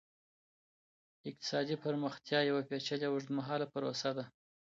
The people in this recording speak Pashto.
اقتصادي پرمختيا يوه پېچلې او اوږدمهاله پروسه ده.